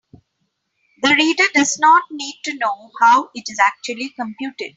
The reader does not need to know how it is actually computed.